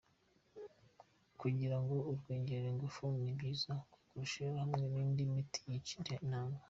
Kugirango urwongerere ingufu, ni byiza kurukoresha hamwe n’indi miti yica intanga.